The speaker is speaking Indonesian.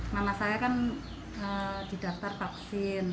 mama saya kan didaftar vaksin